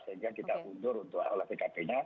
sekarang kita undur untuk olah tkp nya